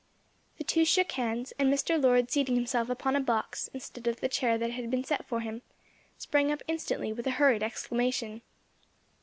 The two shook hands, and Mr. Lord seating himself upon a box, instead of the chair that had been set for him, sprang up instantly with a hurried exclamation.